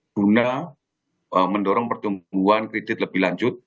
guna mendorong pertumbuhan kredit lebih lanjut